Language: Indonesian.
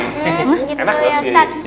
hmm gitu ya ustadz